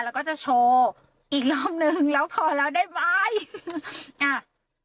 แล้วก็จะโชว์อีกรอบหนึ่งแล้วพอแล้วได้ไหมอ่า